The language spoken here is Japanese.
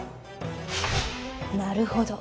なるほど。